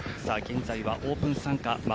現在はオープン参加